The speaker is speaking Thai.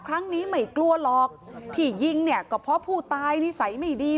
ครั้งนี้ไม่กลัวหรอกที่ยิงเนี่ยก็เพราะผู้ตายนิสัยไม่ดี